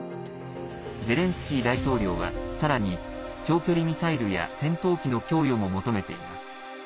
ゼレンスキー大統領は、さらに長距離ミサイルや戦闘機の供与も求めています。